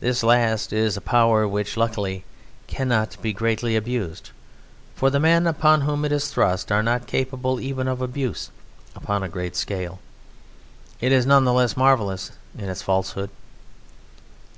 This last is a power which, luckily, cannot be greatly abused, for the men upon whom it is thrust are not capable even of abuse upon a great scale. It is none the less marvellous in its falsehood.